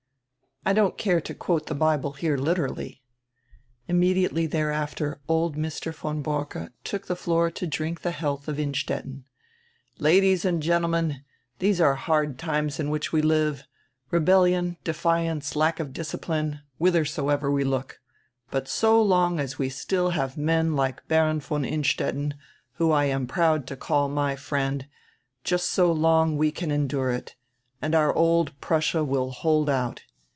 I don't care to quote die Bible here literally." Immediately there after old Mr. von Borcke took die floor to drink to die healdi of Innstetten: "Ladies and Gentlemen: These are hard times in which we live; rebellion, defiance, lack of discipline, whidiersoever we look. But so long as we still have men like Baron von Innstetten, whom I am proud to call my friend, just so long we can endure it, and our old Prussia will hold out.